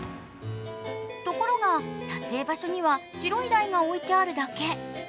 ところが、撮影場所には白い台が置いてあるだけ。